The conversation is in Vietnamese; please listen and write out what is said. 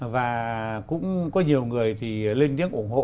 và cũng có nhiều người thì lên tiếng ủng hộ